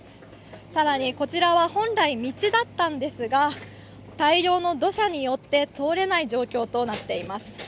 更に、こちらは本来道だったんですが、大量の土砂によって通れない状況となっています。